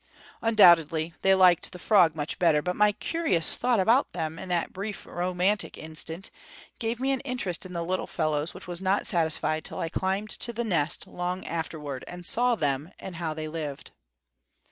Undoubtedly they liked the frog much better; but my curious thought about them, in that brief romantic instant, gave me an interest in the little fellows which was not satisfied till I climbed to the nest, long afterwards, and saw them, and how they lived.